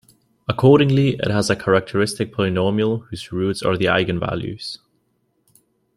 Accordingly, it has a characteristic polynomial, whose roots are the eigenvalues.